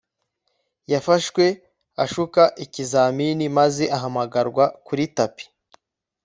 yafashwe ashuka ikizamini maze ahamagarwa kuri tapi